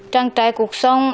trang trái cuộc sống